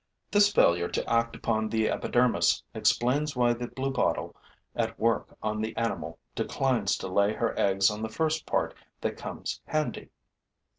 This failure to act upon the epidermis explains why the bluebottle at work on the animal declines to lay her eggs on the first part that comes handy.